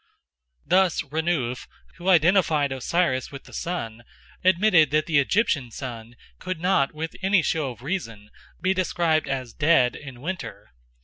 Thus Renouf, who identified Osiris with the sun, admitted that the Egyptian sun could not with any show of reason be described as dead in winter.